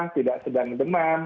tidak sedang demam